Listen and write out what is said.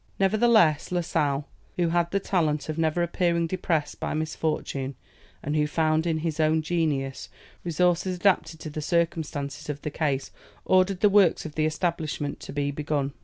Nevertheless, La Sale, who had the talent of never appearing depressed by misfortune, and who found in his own genius resources adapted to the circumstances of the case, ordered the works of the establishment to be begun.